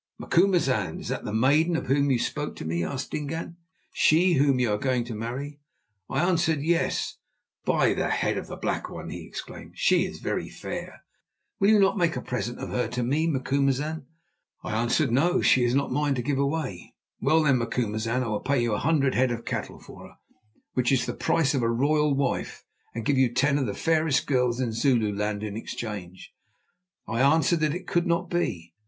"Macumazahn, is that the maiden of whom you spoke to me?" asked Dingaan; "she whom you are going to marry?" I answered, "Yes." "By the head of the Black One," he exclaimed, "she is very fair. Will you not make a present of her to me, Macumazahn?" I answered, "No; she is not mine to give away." "Well, then, Macumazahn, I will pay you a hundred head of cattle for her, which is the price of a royal wife, and give you ten of the fairest girls in Zululand in exchange." I answered that it could not be.